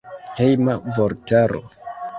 Hejma vortaro.